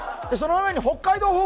そのうえに北海道